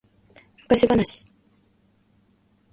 昔話